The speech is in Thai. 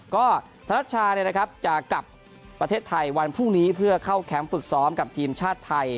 ก็ธนัชชาจะกลับประเทศไทยวันพรุ่งนี้เพื่อเข้าแคมป์ฝึกซ้อมกับทีมชาติไทย